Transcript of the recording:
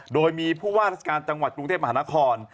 โดยมีผู้ว่าราชการจังหวัดกรุงเทพมหานคร